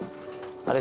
あれ？